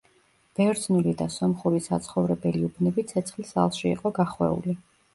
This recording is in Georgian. ბერძნული და სომხური საცხოვრებელი უბნები ცეცხლის ალში იყო გახვეული.